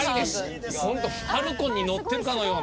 本当ファルコンに乗ってるかのような。